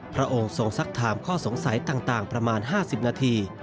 พระองค์ทรงสักถามข้อสงสัยต่างประมาณ๕๐นาที